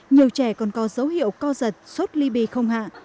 nhiều trẻ còn có dấu hiệu co giật sốt ly bì không hạ